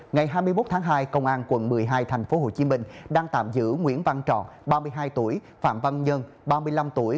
ngày hai mươi một tháng hai công an quận một mươi hai tp hcm đang tạm giữ nguyễn văn tròn ba mươi hai tuổi phạm văn nhân ba mươi năm tuổi